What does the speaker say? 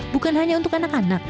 bukan hanya untuk anak anak